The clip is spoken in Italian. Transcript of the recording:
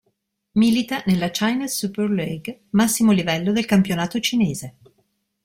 Milita nella Chinese Super League, massimo livello del campionato cinese.